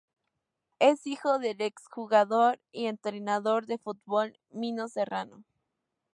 Es hijo del exjugador y entrenador de fútbol Mino Serrano.